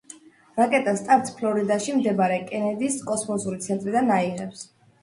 რაკეტა სტარტს ფლორიდაში მდებარე კენედის კოსმოსური ცენტრიდან აიღებს.